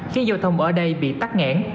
khiến giao thông ở đây bị tắt ngãn